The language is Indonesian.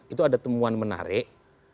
itu ada temuan menarik